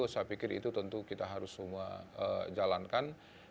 saya pikir itu tentu kita harus semua jalankan